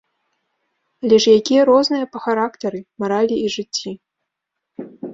Але ж якія розныя па характары, маралі і жыцці.